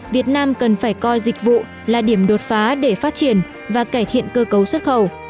việt nam cần phải coi dịch vụ là điểm đột phá để phát triển và cải thiện cơ cấu xuất khẩu